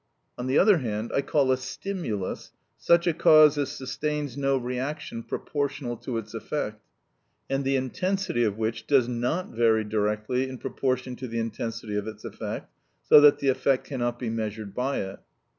On the other hand, I call a stimulus, such a cause as sustains no reaction proportional to its effect, and the intensity of which does not vary directly in proportion to the intensity of its effect, so that the effect cannot be measured by it.